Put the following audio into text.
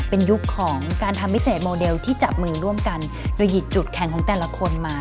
เป็นยุคของการทำพิเศษโมเดลที่จับมือร่วมกันโดยหยิบจุดแข่งของแต่ละคนมา